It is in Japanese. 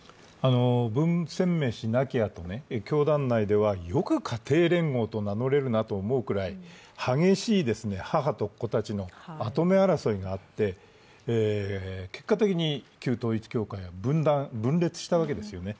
文鮮明氏亡きあと、教団内ではよく家庭連合と名乗れるなと思うくらい激しい母と子たちの跡目争いがあって結果的に旧統一教会は分裂したわけですよね。